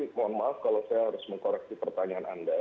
saya mohon maaf kalau saya harus mengkoreksi pertanyaan anda